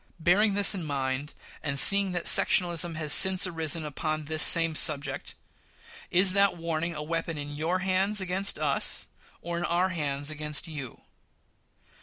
Bearing this in mind, and seeing that sectionalism has since arisen upon this same subject, is that warning a weapon in your hands against us, or in our hands against you?